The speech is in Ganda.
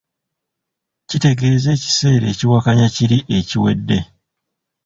kitegeeza ekiseera ekiwakanya kiri ekiwedde.